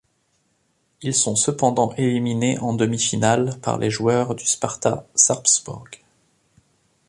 Ils sont cependant éliminés en demi-finale par les joueurs du Sparta Sarpsborg.